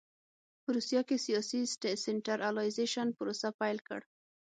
په روسیه کې سیاسي سنټرالایزېشن پروسه پیل کړ.